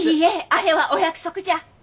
あれはお約束じゃ。